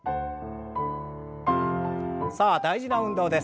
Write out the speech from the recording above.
さあ大事な運動です。